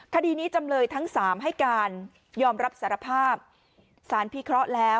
คดีนี้จำเลยทั้งสามให้การยอมรับสารภาพสารพิเคราะห์แล้ว